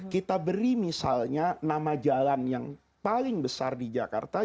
kita beri misalnya nama jalan yang paling besar di jakarta